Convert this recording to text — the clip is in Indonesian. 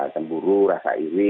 temburu rasa iri